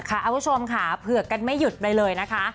อาวุธชมค่ะเผื่อกันไม่หยุดไปเลยนะคะ